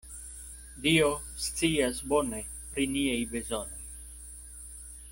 Dio scias bone pri niaj bezonoj.